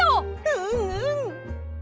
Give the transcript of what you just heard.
うんうん！